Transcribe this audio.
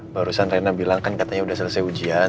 barusan rina bilang kan katanya udah selesai ujian